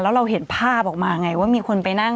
แล้วเราเห็นภาพออกมาไงว่ามีคนไปนั่ง